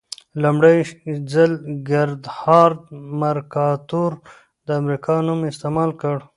لومړي ځل ګردهارد مرکاتور د امریکا نوم استعمال کړ.